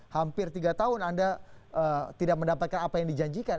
hampir tiga tahun anda tidak mendapatkan apa yang dijanjikan